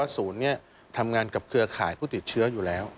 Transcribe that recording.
ทำงานกับเครือข่ายผู้ติดเชื้ออยู่แล้ว